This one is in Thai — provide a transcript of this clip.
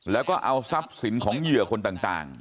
แล้วก็เอาทรัพย์สินของเหยื่อคนต่าง